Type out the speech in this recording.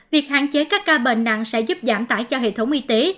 việc hạn chế các ca bệnh nặng sẽ giúp giảm tải cho hệ thống y tế